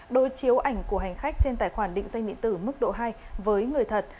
đối chiếu ảnh của hành khách trên tài khoản định danh điện tử mức độ hai với người thật